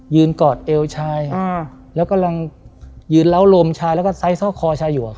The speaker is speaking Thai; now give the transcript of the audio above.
ยืนกอดเอวชายอ่าแล้วกำลังยืนเลาลมชายแล้วก็ใส่ซ่อคอชายอยู่อ่ะ